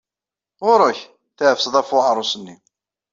Ɣur-ek! tafseḍ ɣef uɛaṛus-nni.